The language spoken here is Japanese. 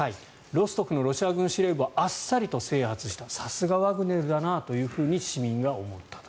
ロストフのロシア軍司令部をあっさりと制圧したさすがワグネルだなというふうに市民が思ったと。